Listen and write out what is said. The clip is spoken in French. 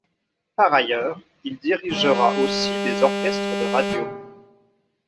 Par ailleurs, il dirigera aussi des orchestres de radio.